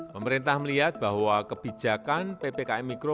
pemerintah melihat bahwa kebijakan ppkm mikro